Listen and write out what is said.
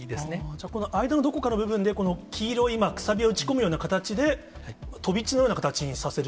じゃあ、この間のどこかの部分で、この黄色い、今、くさびを打ち込むような形で、飛び地のような形にさせる。